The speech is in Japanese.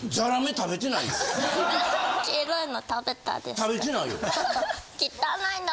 食べてないよ。